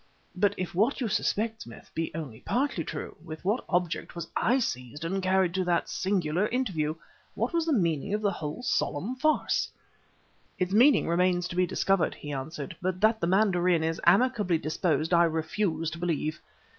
"But, if what you suspect, Smith, be only partly true, with what object was I seized and carried to that singular interview? What was the meaning of the whole solemn farce?" "Its meaning remains to be discovered," he answered; "but that the mandarin is amicably disposed I refuse to believe.